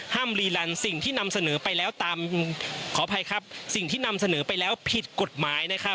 ห้ามรีลันสิ่งที่นำเสนอไปแล้วผิดกฎหมาย